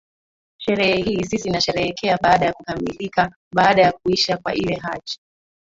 sherehe hii sisi nasherehekea baada ya kukamilika baada ya kuisha kwa ile hajj